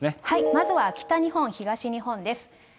まずは北日本、東日本です。